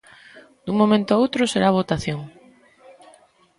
Dun momento a outro será a votación.